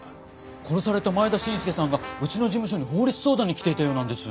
殺された前田伸介さんがうちの事務所に法律相談に来ていたようなんです。